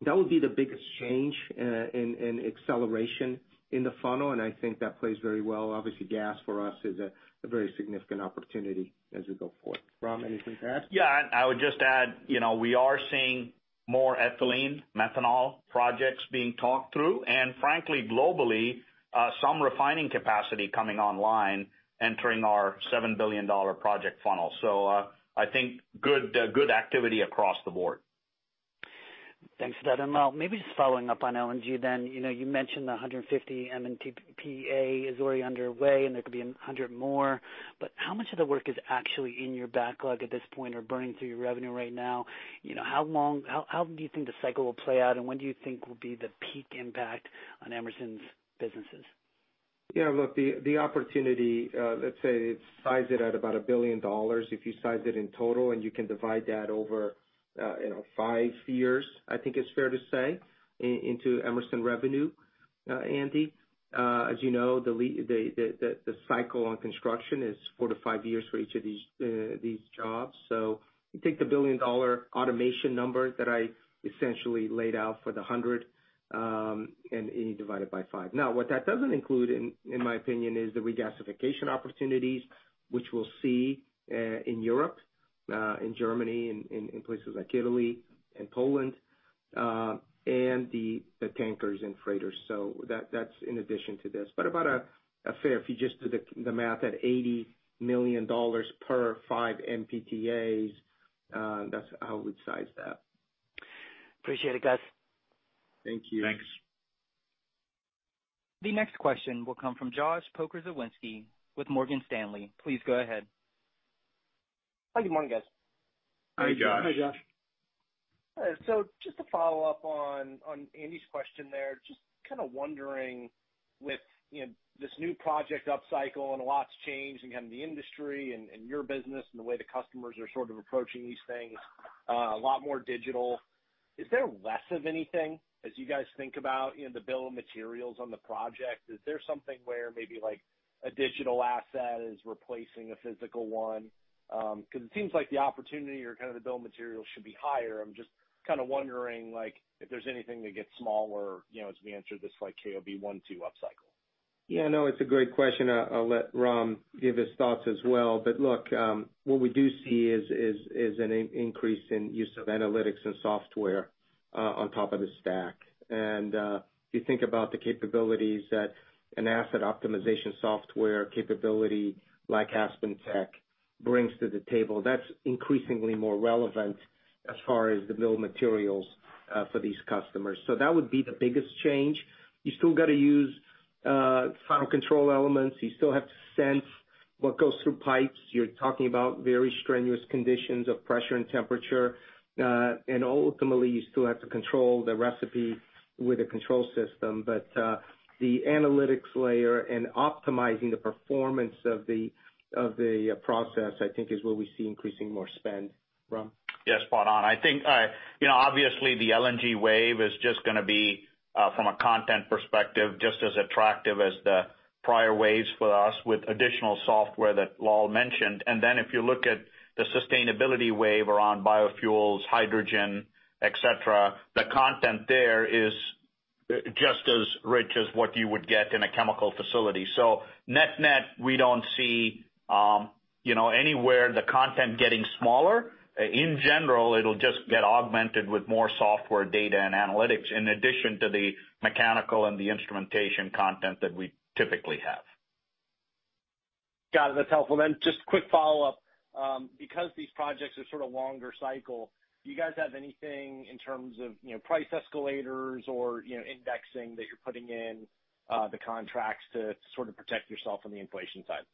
C: That would be the biggest change in acceleration in the funnel, and I think that plays very well. Obviously, gas for us is a very significant opportunity as we go forward. Ram, anything to add?
E: Yeah. I would just add, you know, we are seeing more ethylene, methanol projects being talked through, and frankly, globally, some refining capacity coming online entering our $7 billion project funnel. I think good activity across the board.
J: Thanks for that. Lal, maybe just following up on LNG then. You know, you mentioned the 150 MTPA is already underway, and there could be 100 more. But how much of the work is actually in your backlog at this point or burning through your revenue right now? You know, how do you think the cycle will play out, and when do you think will be the peak impact on Emerson's businesses?
C: Yeah, look, the opportunity, let's say size it at about $1 billion if you size it in total, and you can divide that over, you know, five years, I think it's fair to say, into Emerson revenue, Andy. As you know, the cycle on construction is four-five years for each of these jobs. So you take the billion-dollar automation number that I essentially laid out for the 100, and you divide it by five. Now, what that doesn't include, in my opinion, is the regasification opportunities which we'll see in Europe, in Germany, in places like Italy and Poland, and the tankers and freighters. So that's in addition to this. about a fair if you just do the math at $80 million per 5 MTPAs, that's how we'd size that.
J: Appreciate it, guys.
C: Thank you.
E: Thanks.
A: The next question will come from Josh Pokrzywinski with Morgan Stanley. Please go ahead.
K: Hi, good morning, guys.
C: Hi, Josh.
E: Hi, Josh.
K: Just to follow up on Andy's question there, just kinda wondering with, you know, this new project upcycle and a lot's changed in kind of the industry and your business and the way the customers are sort of approaching these things, a lot more digital. Is there less of anything as you guys think about, you know, the bill of materials on the project? Is there something where maybe like a digital asset is replacing a physical one? 'Cause it seems like the opportunity or kind of the bill of materials should be higher. I'm just kinda wondering, like, if there's anything that gets smaller, you know, as we enter this like KOB one-two upcycle.
C: Yeah, no, it's a great question. I'll let Ram give his thoughts as well. Look, what we do see is an increase in use of analytics and software on top of the stack. You think about the capabilities that an asset optimization software capability like AspenTech brings to the table, that's increasingly more relevant as far as the bill of materials for these customers. That would be the biggest change. You still gotta use final control elements. You still have to sense what goes through pipes. You're talking about very strenuous conditions of pressure and temperature. Ultimately, you still have to control the recipe with a control system. The analytics layer and optimizing the performance of the process, I think is where we see increasing more spend. Ram?
E: Yeah, spot on. I think you know, obviously the LNG wave is just gonna be from a content perspective, just as attractive as the prior waves for us with additional software that Lal mentioned. Then if you look at the sustainability wave around biofuels, hydrogen, et cetera, the content there is just as rich as what you would get in a chemical facility. Net-net, we don't see you know, anywhere the content getting smaller. In general, it'll just get augmented with more software data and analytics in addition to the mechanical and the instrumentation content that we typically have.
K: Got it. That's helpful. Just quick follow-up. Because these projects are sort of longer cycle, do you guys have anything in terms of, you know, price escalators or, you know, indexing that you're putting in the contracts to sort of protect yourself on the inflation side?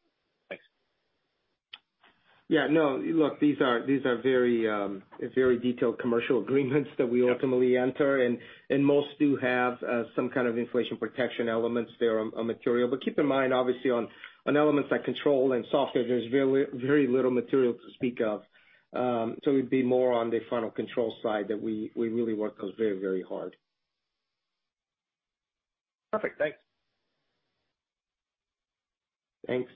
K: Thanks.
C: Yeah, no, look, these are very detailed commercial agreements that we ultimately enter.
K: Yep.
C: Most do have some kind of inflation protection elements there on material. Keep in mind, obviously, on elements like control and software, there's very little material to speak of. It'd be more on the final control side that we really work those very hard.
K: Perfect. Thanks.
C: Thanks.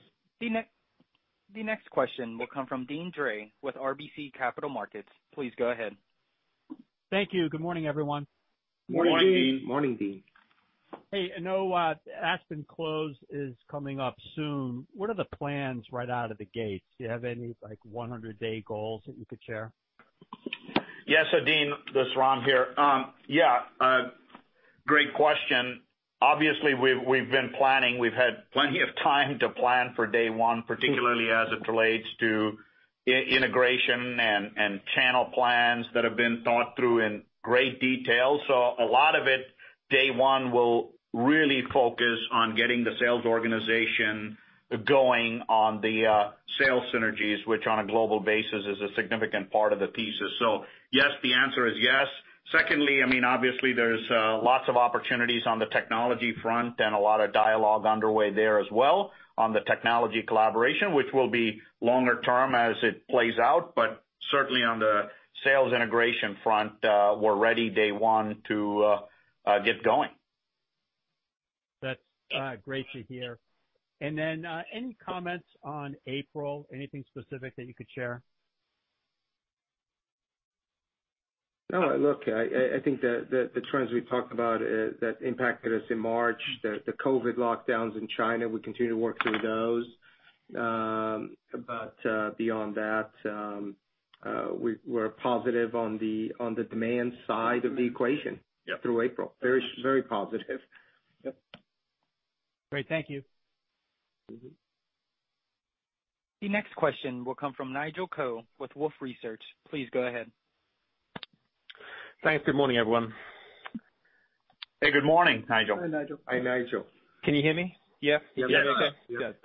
A: The next question will come from Deane Dray with RBC Capital Markets. Please go ahead.
L: Thank you. Good morning, everyone.
C: Morning, Deane.
E: Morning.
C: Morning, Deane.
L: Hey, I know, AspenTech close is coming up soon. What are the plans right out of the gates? Do you have any, like, 100-day goals that you could share?
E: Yes, Deane, this is Ram here. Yeah, great question. Obviously, we've been planning, we've had plenty of time to plan for day one, particularly as it relates to integration and channel plans that have been thought through in great detail. A lot of it, day one, will really focus on getting the sales organization going on the sales synergies, which on a global basis is a significant part of the pieces. Yes, the answer is yes. Secondly, I mean, obviously there's lots of opportunities on the technology front and a lot of dialogue underway there as well on the technology collaboration, which will be longer term as it plays out. Certainly on the sales integration front, we're ready day one to get going.
L: That's great to hear. Any comments on April? Anything specific that you could share?
C: No. Look, I think the trends we talked about that impacted us in March, the COVID lockdowns in China, we continue to work through those. Beyond that, we're positive on the demand side of the equation.
E: Yeah.
C: through April. Very, very positive.
E: Yep.
J: Great. Thank you.
C: Mm-hmm.
A: The next question will come from Nigel Coe with Wolfe Research. Please go ahead.
M: Thanks. Good morning, everyone.
E: Hey, good morning, Nigel.
D: Hi, Nigel.
C: Hi, Nigel.
M: Can you hear me? Yeah?
E: Yes.
M: Okay, good.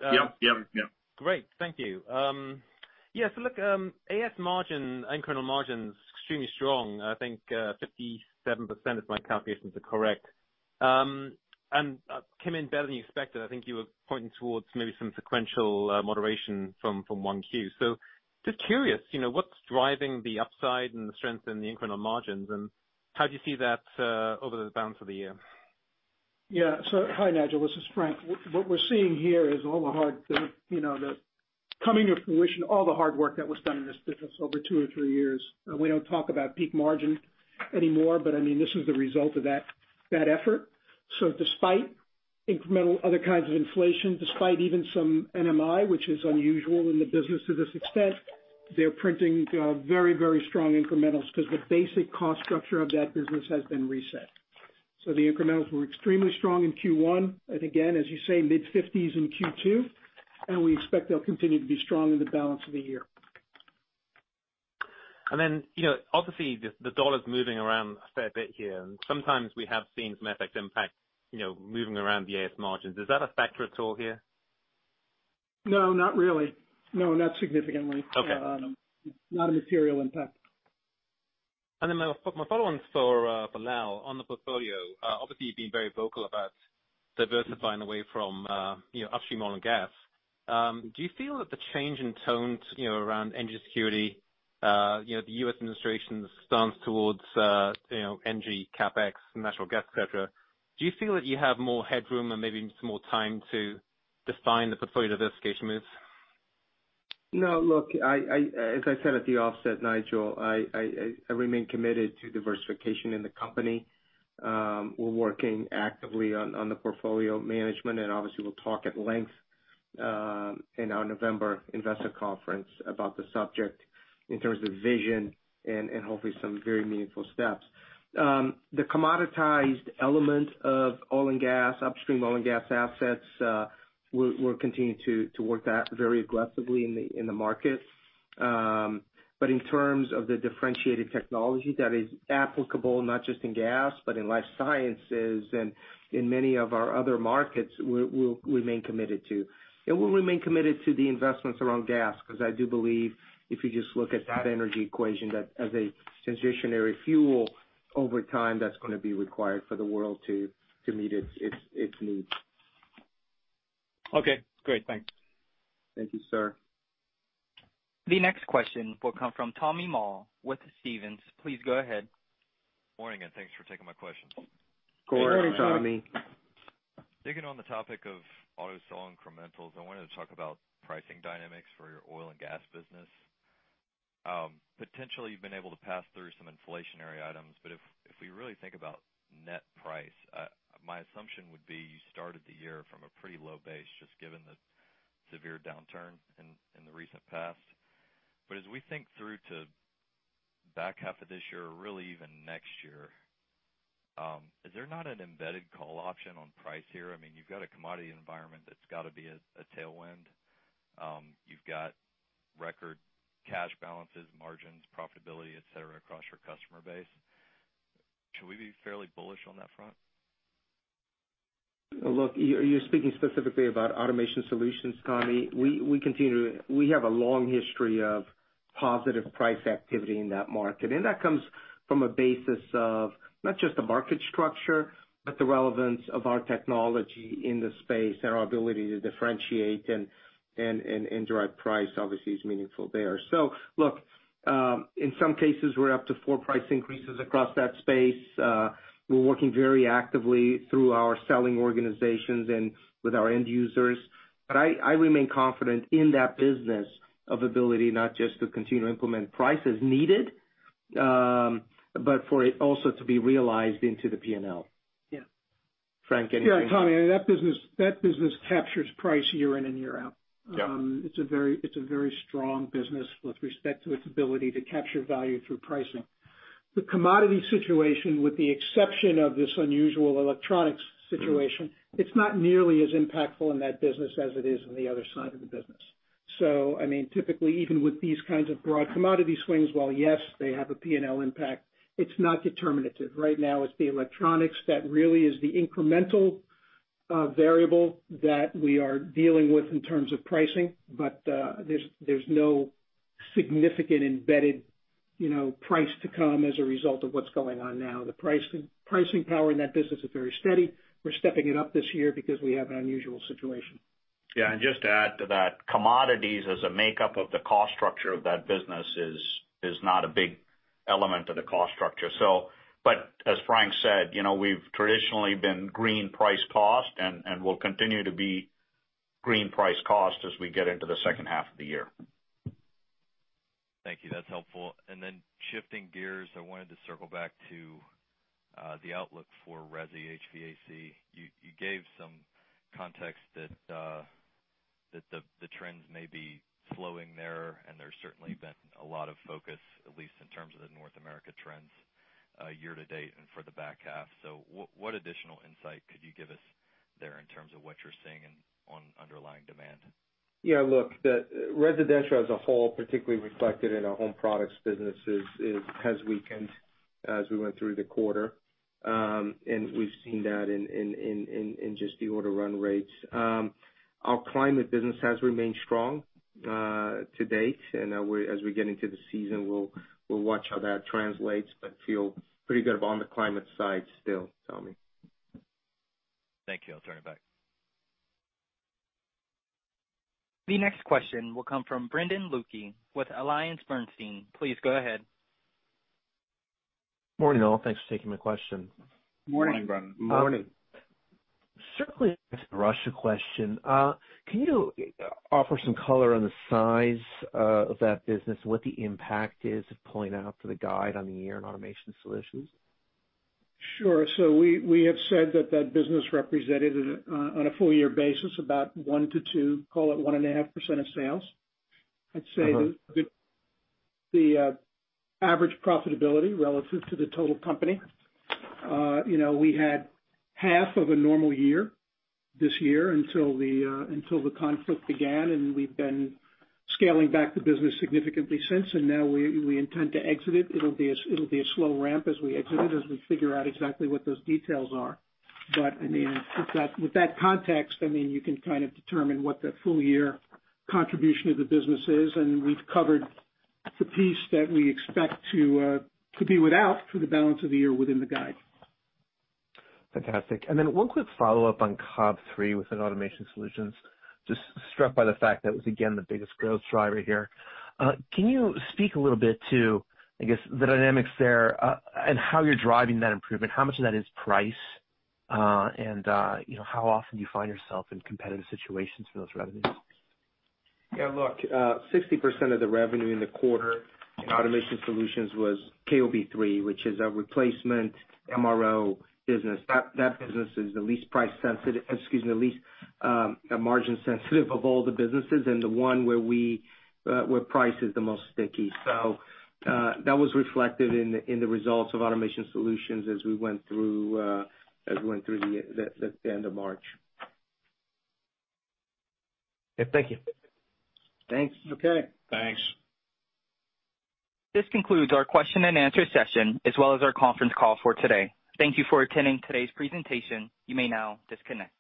E: Yep.
M: Great. Thank you. AS margin and incremental margins extremely strong. I think, 57% if my calculations are correct. Came in better than you expected. I think you were pointing towards maybe some sequential moderation from Q1. Just curious, you know, what's driving the upside and the strength in the incremental margins, and how do you see that over the balance of the year?
D: Yeah. Hi, Nigel. This is Frank. What we're seeing here is the coming to fruition, all the hard work that was done in this business over two or three years. We don't talk about peak margin anymore, but I mean, this is the result of that effort. Despite incremental other kinds of inflation, despite even some NMI, which is unusual in the business to this extent, they're printing very, very strong incrementals because the basic cost structure of that business has been reset. The incrementals were extremely strong in Q1, and again, as you say, mid-50s% in Q2, and we expect they'll continue to be strong in the balance of the year.
M: You know, obviously the dollar's moving around a fair bit here, and sometimes we have seen some FX impact, you know, moving around the AS margins. Is that a factor at all here?
D: No, not really. No, not significantly.
M: Okay.
D: Not a material impact.
M: My follow on for Lal on the portfolio, obviously you've been very vocal about diversifying away from, you know, upstream oil and gas. Do you feel that the change in tone, you know, around energy security, you know, the U.S. administration's stance towards, you know, NG CapEx, natural gas, et cetera, do you feel that you have more headroom and maybe some more time to define the portfolio diversification moves?
C: No, look, as I said at the outset, Nigel, I remain committed to diversification in the company. We're working actively on the portfolio management, and obviously we'll talk at length in our November investor conference about the subject in terms of vision and hopefully some very meaningful steps. The commoditized element of oil and gas, upstream oil and gas assets, we'll continue to work that very aggressively in the market. In terms of the differentiated technology that is applicable, not just in gas, but in life sciences and in many of our other markets, we'll remain committed to. We'll remain committed to the investments around gas because I do believe if you just look at that energy equation, that as a transitional fuel over time, that's gonna be required for the world to meet its needs.
M: Okay. Great. Thanks.
C: Thank you, sir.
A: The next question will come from Tommy Moll with Stephens. Please go ahead.
N: Morning, and thanks for taking my questions.
E: Good morning, Tommy.
D: Morning, Tommy.
N: Digging on the topic of AutoSol incrementals, I wanted to talk about pricing dynamics for your oil and gas business. Potentially you've been able to pass through some inflationary items, but if we really think about net price, my assumption would be you started the year from a pretty low base, just given the severe downturn in the recent past. As we think through to back half of this year, really even next year, is there not an embedded call option on price here? I mean, you've got a commodity environment that's got to be a tailwind. You've got record cash balances, margins, profitability, et cetera, across your customer base. Should we be fairly bullish on that front?
C: Look, you're speaking specifically about Automation Solutions, Tommy. We continue to. We have a long history of positive price activity in that market, and that comes from a basis of not just the market structure, but the relevance of our technology in the space and our ability to differentiate and drive price obviously is meaningful there. Look, in some cases, we're up to four price increases across that space. We're working very actively through our selling organizations and with our end users. I remain confident in that business's ability not just to continue to implement price as needed, but for it also to be realized into the P&L.
D: Yeah.
C: Frank, anything-
D: Yeah, Tommy, that business captures price year in and year out.
N: Yeah.
D: It's a very strong business with respect to its ability to capture value through pricing. The commodity situation, with the exception of this unusual electronics situation, it's not nearly as impactful in that business as it is on the other side of the business. I mean, typically, even with these kinds of broad commodity swings, while yes, they have a P&L impact, it's not determinative. Right now, it's the electronics that really is the incremental variable that we are dealing with in terms of pricing. There's no significant embedded, you know, price to come as a result of what's going on now. The pricing power in that business is very steady. We're stepping it up this year because we have an unusual situation.
E: Yeah, just to add to that, commodities as a makeup of the cost structure of that business is not a big element of the cost structure. As Frank said, you know, we've traditionally been green price cost and we'll continue to be green price cost as we get into the second half of the year.
N: Thank you. That's helpful. Then shifting gears, I wanted to circle back to the outlook for resi HVAC. You gave some context that the trends may be slowing there, and there's certainly been a lot of focus, at least in terms of the North America trends. Year to date and for the back half. What additional insight could you give us there in terms of what you're seeing in on underlying demand?
C: Yeah, look, the residential as a whole, particularly reflected in our home products businesses has weakened as we went through the quarter. We've seen that in just the order run rates. Our climate business has remained strong to date, and as we get into the season, we'll watch how that translates, but feel pretty good about on the climate side still, Tommy.
D: Thank you. I'll turn it back.
A: The next question will come from Brendan Luecke with AllianceBernstein. Please go ahead.
O: Morning, all. Thanks for taking my question.
C: Morning, Brendan.
D: Morning.
O: Certainly, a Russia question. Can you offer some color on the size of that business and what the impact is of pulling out for the guide on the year-end Automation Solutions?
D: Sure. We have said that business represented on a full year basis about 1%-2%, call it 1.5% of sales.
O: Mm-hmm.
D: I'd say the average profitability relative to the total company, you know, we had half of a normal year this year until the conflict began, and we've been scaling back the business significantly since, and now we intend to exit it. It'll be a slow ramp as we exit it, as we figure out exactly what those details are. I mean, with that context, I mean, you can kind of determine what the full year contribution to the business is, and we've covered the piece that we expect to be without through the balance of the year within the guide.
O: Fantastic. One quick follow-up on KOB3 within Automation Solutions. Just struck by the fact that was again the biggest growth driver here. Can you speak a little bit to, I guess, the dynamics there, and how you're driving that improvement? How much of that is price, and, you know, how often do you find yourself in competitive situations for those revenues?
C: Yeah, look, 60% of the revenue in the quarter in Automation Solutions was KOB3, which is a replacement MRO business. That business is the least price sensitive, excuse me, the least margin sensitive of all the businesses and the one where price is the most sticky. So that was reflected in the results of Automation Solutions as we went through the end of March.
O: Thank you.
C: Thanks.
D: Okay. Thanks.
A: This concludes our question and answer session, as well as our conference call for today. Thank you for attending today's presentation. You may now disconnect.